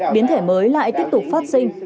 biến thể mới lại tiếp tục phát sinh